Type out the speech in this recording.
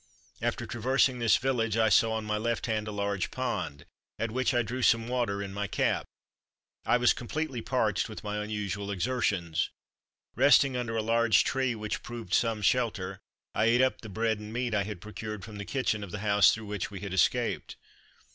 After traversing this village I saw, on my left hand, a large pond, at which I drew some water in my cap. I was completely parched with my unusual exertions. Resting under a large tree which proved some shelter, I ate up the bread and meat I had procured from the kitchen of the house through which we had escaped.